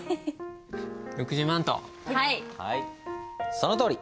そのとおり。